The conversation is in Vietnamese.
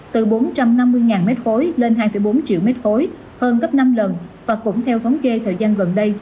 từ bốn trăm năm mươi m ba lên hai bốn triệu m ba hơn gấp năm lần và cũng theo thống kê thời gian gần đây